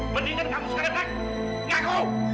mendingan kamu sekarang datang